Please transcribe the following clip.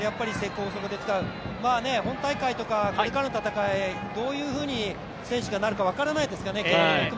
瀬古を底で使う、本大会とかこれからの戦い、どういうふうに選手がなるか分からないですからね。